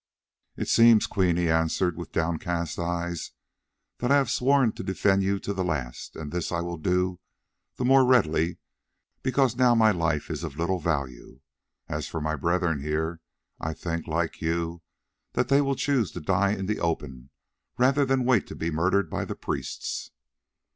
"It seems, Queen," he answered, with downcast eyes, "that I have sworn to defend you to the last, and this I will do the more readily because now my life is of little value. As for my brethren here, I think, like you, that they will choose to die in the open, rather than wait to be murdered by the priests."